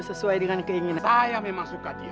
sesuai dengan keinginan